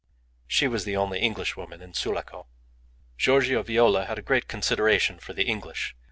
She was the only Englishwoman in Sulaco. Giorgio Viola had a great consideration for the English.